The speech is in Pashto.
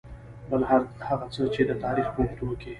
بل هر هغه څه چې د تاريخ په اوږدو کې .